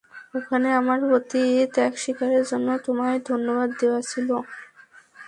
ওখানে আমার প্রতি ত্যাগস্বীকারের জন্য তোমায় ধন্যবাদ দেয়ার ছিল।